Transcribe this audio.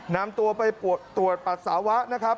นำตัวไปตรวจปัสสาวะนะครับ